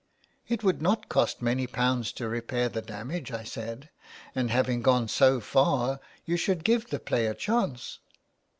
" It would not cost many pounds to repair the damage,'^ I said. '^And having gone so far you should give the play a chance."